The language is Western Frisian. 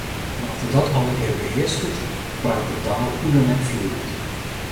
Wa’t dat allegear behearsket, praat de taal hoe dan ek floeiend.